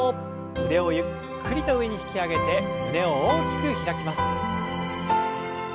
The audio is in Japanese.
腕をゆっくりと上に引き上げて胸を大きく開きます。